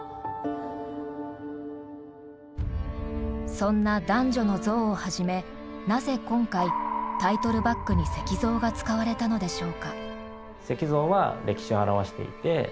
そんな男女の像をはじめなぜ今回タイトルバックに石像が使われたのでしょうか。